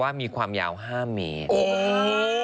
ปลาหมึกแท้เต่าทองอร่อยทั้งชนิดเส้นบดเต็มตัว